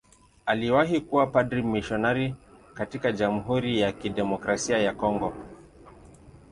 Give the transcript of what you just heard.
Aliwahi kuwa padri mmisionari katika Jamhuri ya Kidemokrasia ya Kongo.